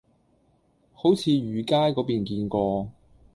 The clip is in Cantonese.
好似魚街嗰邊見過